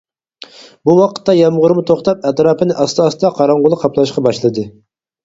بۇ ۋاقىتتا يامغۇرمۇ توختاپ، ئەتراپنى ئاستا-ئاستا قاراڭغۇلۇق قاپلاشقا باشلىدى.